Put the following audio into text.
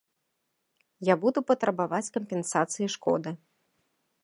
Я буду патрабаваць кампенсацыі шкоды.